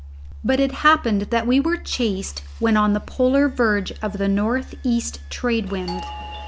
But it happened that we were chased when on the polar verge of the North East Trade wind.